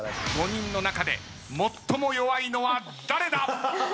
５人の中で最も弱いのは誰だ？